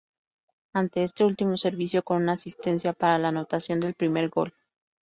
Ante este último sirvió con una asistencia para la anotación del primer gol.